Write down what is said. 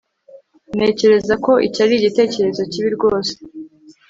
ntekereza ko icyo ari igitekerezo kibi rwose